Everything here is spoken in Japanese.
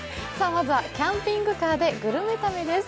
まずはキャンピングカーでグルメ旅です。